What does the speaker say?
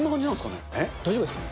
大丈夫ですか？